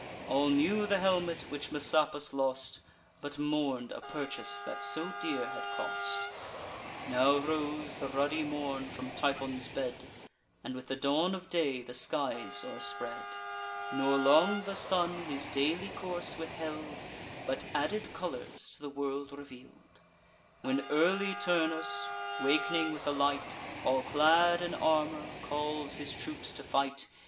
All knew the helmet which Messapus lost, But mourn'd a purchase that so dear had cost. Now rose the ruddy morn from Tithon's bed, And with the dawn of day the skies o'erspread; Nor long the sun his daily course withheld, But added colours to the world reveal'd: When early Turnus, wak'ning with the light, All clad in armour, calls his troops to fight.